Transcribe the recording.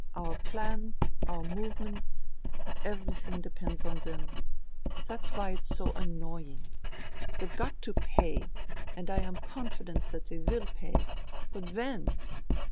Our plans, our movements, everything depends on them. That's why it's so annoying. They've got to pay, and I am confident that they will pay. But when!